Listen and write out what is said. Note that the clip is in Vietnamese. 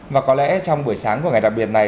và có lẽ trong buổi sáng của ngày đặc biệt này